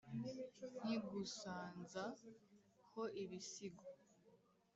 nkigusanza ho ibisigo